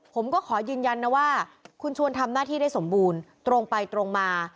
ขอยืนยันนะว่าคุณชวนทำหน้าที่ได้สมบูรณ์ตรงไปตรงมา